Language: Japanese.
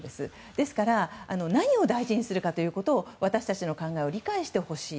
ですから何を大事にするかということを私たちの考えを理解してほしい。